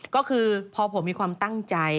ก็คือพอผมมีความตั้งใจ